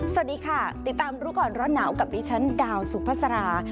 สวัสดีค่ะติดตามรู้ก่อนร้อนหนาวกับดิฉันดาวสุภาษา